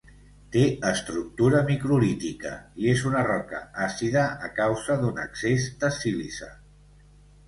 Té estructura microlítica, i és una roca àcida a causa d'un excés de sílice.